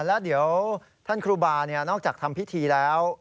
แล้วเดี๋ยวท่านครูบานอกจากทำพิธีแล้ว